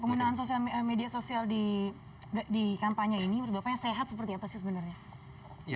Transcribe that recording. pemilu yang menahan media sosial di kampanye ini berapa sehat seperti apa sih sebenarnya